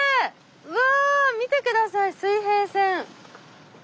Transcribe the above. うわ見て下さい水平線！